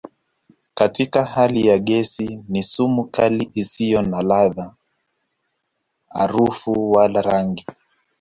Katika hali ya gesi ni sumu kali isiyo na ladha, harufu wala rangi.